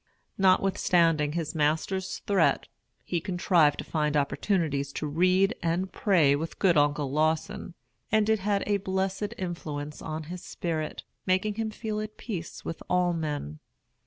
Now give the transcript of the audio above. Notwithstanding his master's threat, he contrived to find opportunities to read and pray with good Uncle Lawson; and it had a blessed influence on his spirit, making him feel at peace with all men.